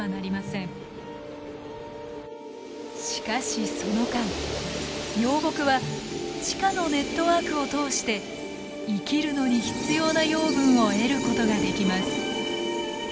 しかしその間幼木は地下のネットワークを通して生きるのに必要な養分を得ることができます。